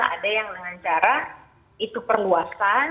ada yang dengan cara itu perluasan